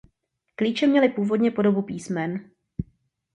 Klíče měly původně podobu písmen.